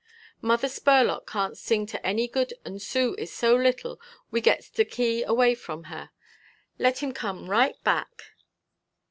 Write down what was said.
"Mother Spurlock can't sing to any good and Sue is so little we gets the key away from her. Let him come right back!"